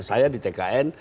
saya di tkn